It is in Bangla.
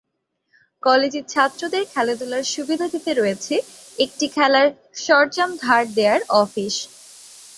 কলেজের ছাত্রদেরকে খেলাধুলার সুবিধা দিতে রয়েছে একটি খেলার সরঞ্জাম ধার দেয়ার অফিস।